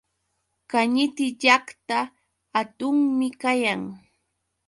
Kañiti llaqta hatunmi kayan.